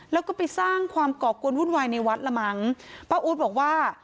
แล้วก็ไปสร้างความก่อกวนวุ่นวายในวัดละมั้งป้าอู๊ดบอกว่า